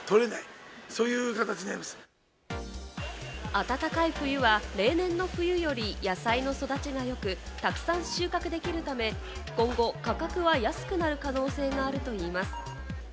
暖かい冬は例年の冬より野菜の育ちがよく、たくさん収穫できるため今後、価格は安くなる可能性があるといいます。